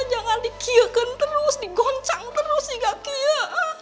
jangan di kieken terus digoncang terus hingga kie